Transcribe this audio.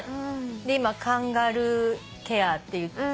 今カンガルーケアっていって。